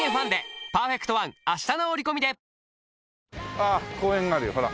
ああ公園があるよほら。